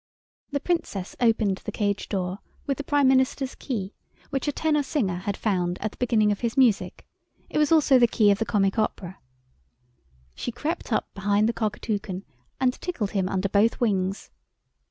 The Princess opened the cage door with the Prime Minister's key, which a tenor singer had found at the beginning of his music. It was also the key of the comic opera. She crept up behind the Cockatoucan and tickled him under both wings.